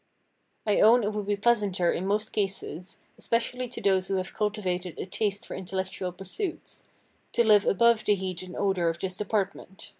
I own it would be pleasanter in most cases, especially to those who have cultivated a taste for intellectual pursuits, to live above the heat and odor of this department.